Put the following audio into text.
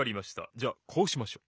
じゃあこうしましょう！